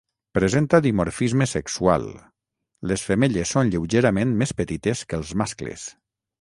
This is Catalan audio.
Presenta dimorfisme sexual: les femelles són lleugerament més petites que els mascles.